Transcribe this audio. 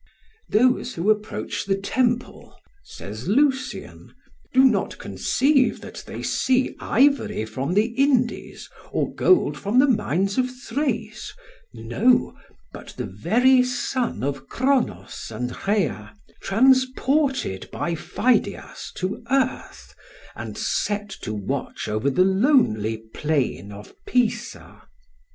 ] "Those who approach the temple," says Lucian, "do not conceive that they see ivory from the Indies or gold from the mines of Thrace; no, but the very son of Kronos and Rhea, transported by Pheidias to earth and set to watch over the lonely plain of Pisa."